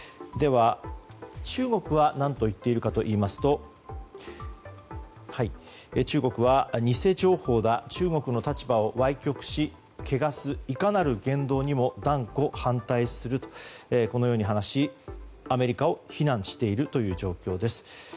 では、中国は何と言っているかといいますと偽情報だ、中国の立場を歪曲し汚す、いかなる言動にも断固反対するとこのように話しアメリカを非難しているということ状況です。